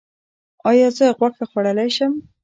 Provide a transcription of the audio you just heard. ایا زه غوښه خوړلی شم؟